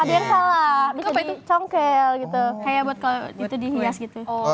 kayak buat kalau itu dihias gitu